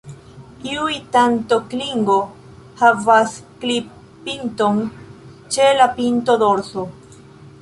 Iuj tanto-klingo havas klip-pinton ĉe la pinto-dorso.